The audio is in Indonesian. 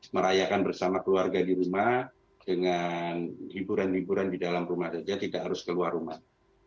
merayakan bersama keluarga di rumah dengan hiburan hiburan di dalam rumah saja tidak harus keluar rumah